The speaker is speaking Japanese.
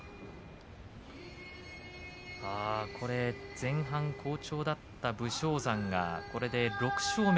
前半、好調だった武将山がこれで６勝目。